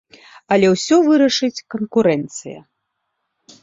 Але ўсё вырашыць канкурэнцыя.